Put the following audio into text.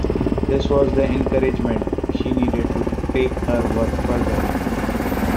This was the encouragement she needed to take her work further.